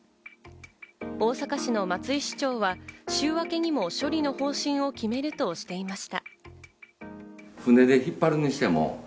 大阪市の松井市長は週明けにも処理の方針を決めるとしていました。